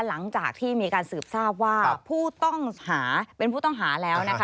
หลังจากที่มีการสืบทราบว่าผู้ต้องหาเป็นผู้ต้องหาแล้วนะคะ